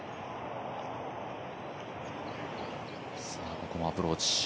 ここもアプローチ。